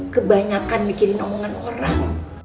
kebanyakan mikirin omongan orang